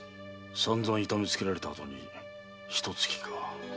さんざん痛めつけられた後に一突きか。